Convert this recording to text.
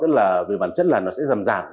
tức là về bản chất là nó sẽ giảm giảm